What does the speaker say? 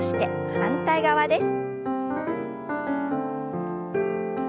反対側です。